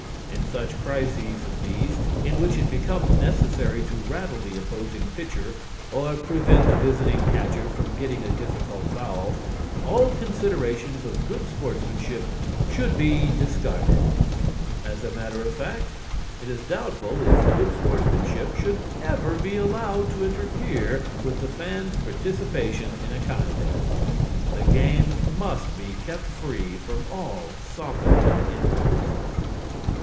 In such crises as these in which it becomes necessary to rattle the opposing pitcher or prevent the visiting catcher from getting a difficult foul, all considerations of good sportsmanship should be discarded. As a matter of fact, it is doubtful if good sportsmanship should ever be allowed to interfere with the fan's participation in a contest. The game must be kept free from all softening influences.